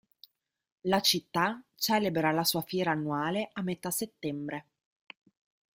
La città celebra la sua fiera annuale a metà settembre.